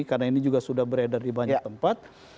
karena ini juga sudah beredar di banyak tempat